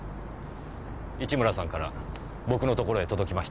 市村さんから僕のところへ届きました。